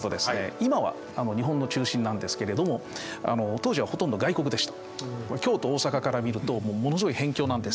今は日本の中心なんですけれども当時はほとんど外国でした。